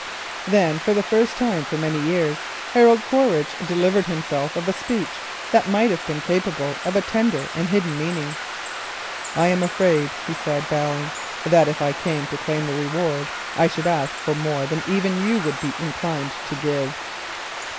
Then for the first time for many years, Harold Quaritch delivered himself of a speech that might have been capable of a tender and hidden meaning. "I am afraid," he said, bowing, "that if I came to claim the reward, I should ask for more even than you would be inclined to give."